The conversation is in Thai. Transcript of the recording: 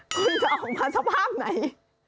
คุณจะออกมาสภาพไหน